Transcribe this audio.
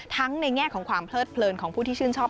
ในแง่ของความเพลิดเพลินของผู้ที่ชื่นชอบ